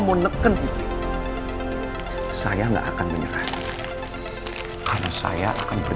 kok keliatan cemas banget